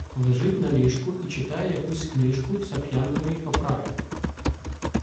Лежить на ліжку і читає якусь книжку в сап'яновій оправі.